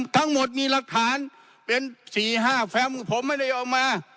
ทั้งหมดมีหลักฐานเป็น๔๕แฟมผมไม่ได้เอามา